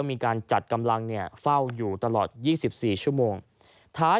ที่โรงพยาบาล